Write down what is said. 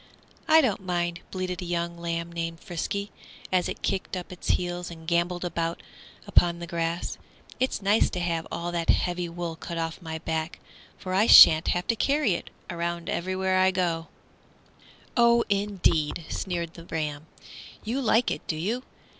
"I don't mind," bleated a young lamb named Frisky, as it kicked up its heels and gambolled about upon the grass; "it's nice to have all that heavy wool cut off my back, for I sha'n't have to carry it around wherever I go." "Oh, indeed!" sneered the ram, "you like it, do you?